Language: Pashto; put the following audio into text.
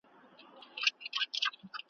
ویل څه سوې سپی د وخته دی راغلی ,